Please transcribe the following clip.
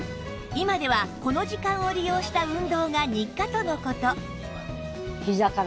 今ではこの時間を利用した運動が日課との事